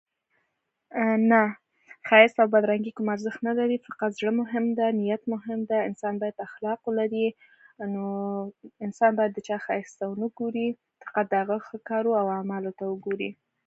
نه ښايست او بدرنګي کوم ارزښت نلري یوازې زړه اړین دی نيت اړین دی انسان بايد اخلاق ولري نوانسان بايد د چا ښايست ته ونه ګوري یوازې د هغه ښو کارونو او کړنو ته وګوري.